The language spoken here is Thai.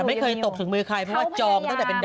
ยังมีแต่ไม่เคยตกถึงมือใครเพราะว่าจองตั้งแต่เป็นดอง